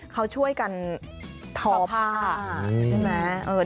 เขาช่วยกันทอผ้าใช่ไหม